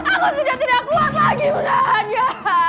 aku sudah tidak kuat lagi menahan dia